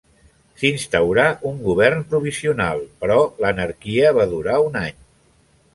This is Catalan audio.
S'instaurà un govern provisional però l'anarquia va durar un any.